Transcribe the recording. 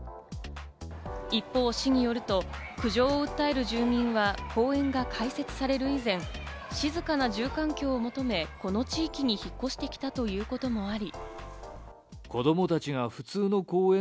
一方、市によると、苦情を訴える住民は公園が開設される以前、静かな住環境を求め、この地域に引っ越してきたということもあり。